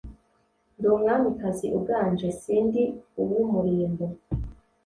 ndi umwamikazi uganje si ndi uwumurimbo